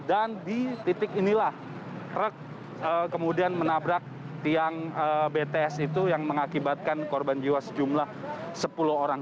dan di titik inilah trek kemudian menabrak tiang betes itu yang mengakibatkan korban jiwa sejumlah sepuluh orang